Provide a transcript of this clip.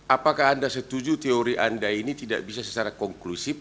apakah anda setuju teori anda ini tidak bisa secara konklusif